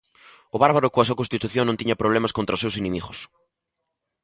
O bárbaro coa súa constitución non tiña problemas contra os seus inimigos.